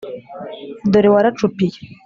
dore waracupiye